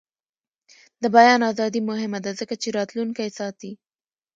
د بیان ازادي مهمه ده ځکه چې راتلونکی ساتي.